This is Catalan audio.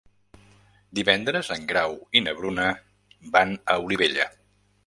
Divendres en Grau i na Bruna van a Olivella.